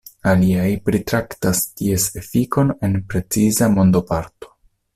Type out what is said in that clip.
Aliaj pritraktas ties efikon en preciza mondoparto.